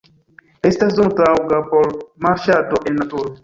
Estas zono taŭga por marŝado en naturo.